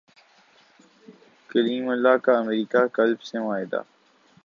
کلیم اللہ کا امریکی کلب سے معاہدہ